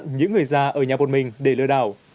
tiếp cận những người già ở nhà một mình để lừa đảo